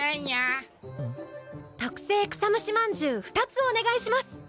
特製草ムシまんじゅう２つお願いします。